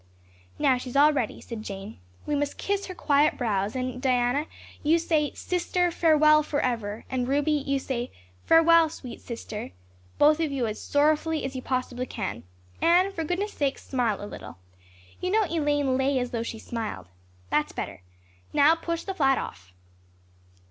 "Now, she's all ready," said Jane. "We must kiss her quiet brows and, Diana, you say, 'Sister, farewell forever,' and Ruby, you say, 'Farewell, sweet sister,' both of you as sorrowfully as you possibly can. Anne, for goodness sake smile a little. You know Elaine 'lay as though she smiled.' That's better. Now push the flat off."